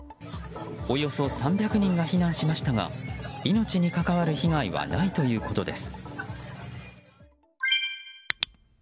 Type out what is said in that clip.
およそ３００人が避難しましたが命に関わる被害はないということです。